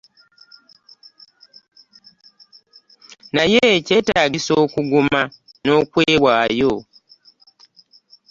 Naye kyetagisa okuguma , nokwewayo .